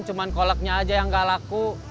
cuma kolaknya aja yang gak laku